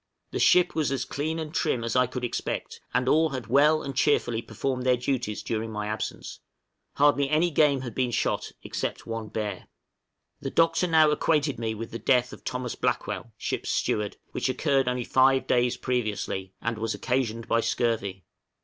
The ship was as clean and trim as I could expect, and all had well and cheerfully performed their duties during my absence; hardly any game had been shot, except one bear. {DEATH FROM SCURVY.} The Doctor now acquainted me with the death of Thomas Blackwell, ship's steward, which occurred only five days previously, and was occasioned by scurvy.